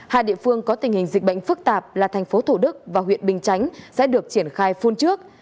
hai địa phương có tình hình dịch bệnh phức tạp là thành phố thủ đức và huyện bình chánh sẽ được triển khai phun trước